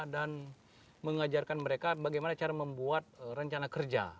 dan mengajarkan mereka bagaimana cara membuat rencana kerja